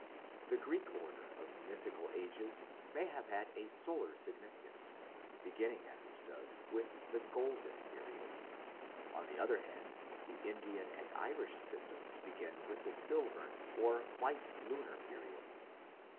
The Greek order of mythical ages may have had a solar significance, beginning as it does with the "golden" period. On the other hand the Indian and Irish systems begin with the Silvern or white lunar period.